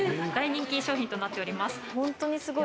大人気商品となっております。